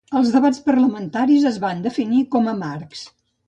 Els debats parlamentaris es van definir com "amargs".